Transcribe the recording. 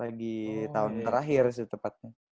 lagi tahun terakhir sih tepatnya